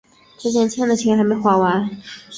之前欠的钱还没还完